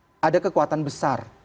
bahwa ada kekuatan besar